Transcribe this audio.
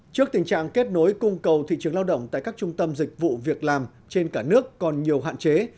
trước tình trạng kết nối cung cầu thị trường lao động tại các trung tâm dịch vụ việc làm trên cả nước còn nhiều hạn chế